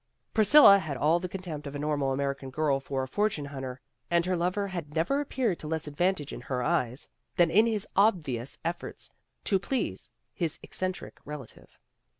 Priscilla had all the contempt of a normal American girl for a for tune hunter, and her lover had never appeared to less advantage in her eyes than in his ob MISTRESS AND MAID 155 vious efforts to please his eccentric relative.